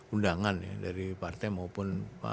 undangan dari partai maupun